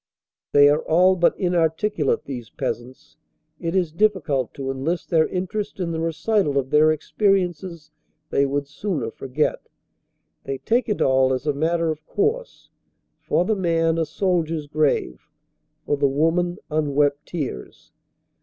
They are all but inarticulate, these peasants. It is difficult to enlist their interest in the recital of their experiences they would sooner forget. They take it all as a matter of course for the man a soldier s grave; for the woman unwept tears.